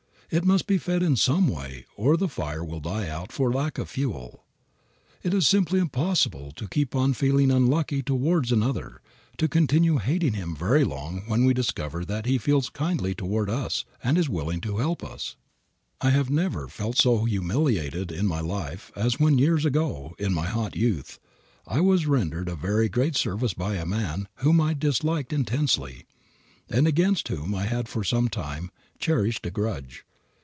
It must be fed in some way or the fire will die out for lack of fuel. It is simply impossible to keep on feeling unkindly towards another, to continue hating him very long when we discover that he feels kindly toward us and is willing to help us. I have never felt so humiliated in my life as when years ago, in my hot youth, I was rendered a very great service by a man whom I disliked intensely, and against whom I had for some time cherished a grudge.